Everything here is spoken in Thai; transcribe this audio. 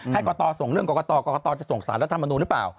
กรกตส่งเรื่องกรกตกรกตจะส่งสารรัฐมนุนหรือเปล่า